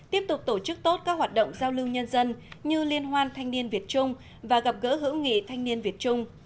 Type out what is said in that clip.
tiếp tục tổ chức tốt các hoạt động giao lưu nhân dân như liên hoan thanh niên việt trung và gặp gỡ hữu nghị thanh niên việt trung